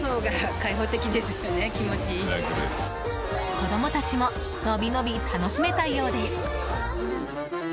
子供たちものびのび楽しめたようです。